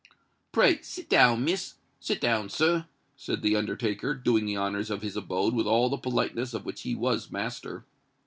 "Pray, sit down, Miss—sit down, sir," said the undertaker, doing the honours of his abode with all the politeness of which he was master.